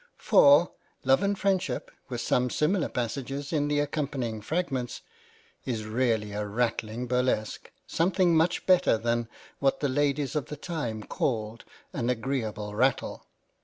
For " Love and Freindship," with some similar passages in the accompanying fragments, is really a rattling burlesque ; something much better than what the ladies of the time called an agreeable rattle.